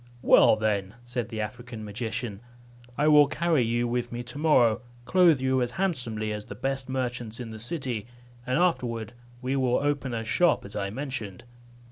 "Well then," said the African magician, "I will carry you with me to morrow, clothe you as handsomely as the best merchants in the city, and afterward we will open a shop as I mentioned."